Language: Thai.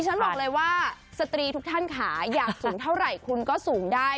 ฉันบอกเลยว่าสตรีทุกท่านค่ะอยากสูงเท่าไหร่คุณก็สูงได้